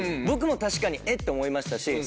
僕も確かにえっ？って思いましたし